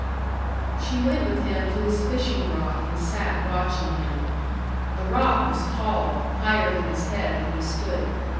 She went with him to his fishing rock, and sat watching him. The rock was tall, higher than his head when he stood.